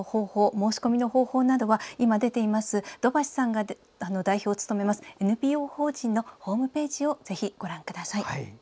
申し込みの方法などは今、出ています土橋さんが代表を務めるＮＰＯ法人のホームページをご覧ください。